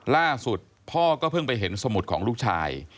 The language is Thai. ล่าสุดพ่อก็เพิ่งไปเห็นสมุดของลูกชาย